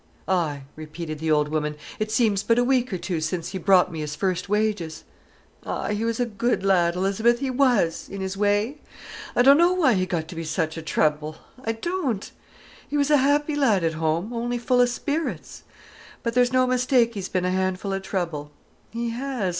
"Ay!" repeated the old woman, "it seems but a week or two since he brought me his first wages. Ay—he was a good lad, Elizabeth, he was, in his way. I don't know why he got to be such a trouble, I don't. He was a happy lad at home, only full of spirits. But there's no mistake he's been a handful of trouble, he has!